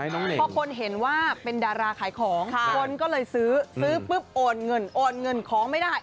พอคนเห็นว่าเป็นดาราขายของคนก็เลยซื้อซื้อปุ๊บโอนเงินโอนเงินของไม่ได้